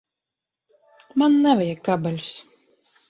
Man nevajag kabeļus.